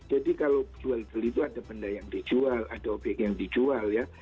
jadi kalau jual beli itu ada benda yang dijual ada objek yang dijual ya